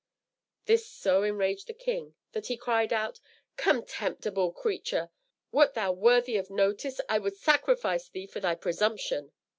This so enraged the king, that he cried out, "Contemptible creature! wert thou worthy of notice, I would sacrifice thee for thy presumption."